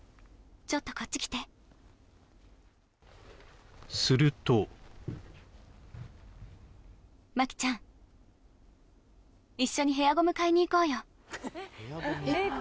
ちょっとこっち来てすると摩季ちゃん一緒にヘアゴム買いに行こうよえっ？